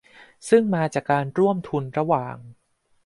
ซึ่งมาจากการร่วมทุนระหว่าง